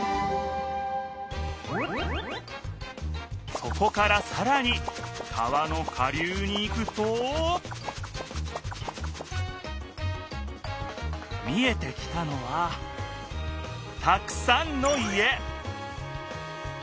そこからさらに川の下流に行くと見えてきたのはたくさんの家！